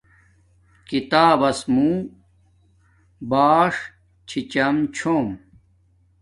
کتابس موں باݽ چھی چم چھوم